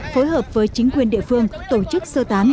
phối hợp với chính quyền địa phương tổ chức sơ tán